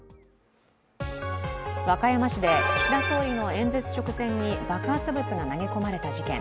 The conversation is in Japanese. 和歌山市で岸田総理の演説直前に爆発物が投げ込まれた事件。